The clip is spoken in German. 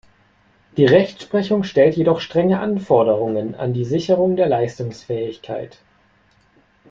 Die Rechtsprechung stellt jedoch strenge Anforderungen an die Sicherung der Leistungsfähigkeit.